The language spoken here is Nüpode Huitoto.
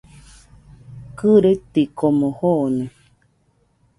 Kɨrɨtikomo joone